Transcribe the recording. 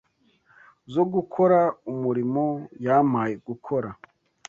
zo gukora umurimo yampaye gukora